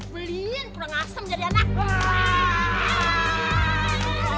beliin kurang asem jadi anakku